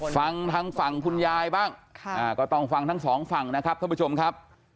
ฟังทางฝั่งคุณยายบ้างก็ต้องฟังทั้งสองฝั่งนะครับท่านผู้ชมครับ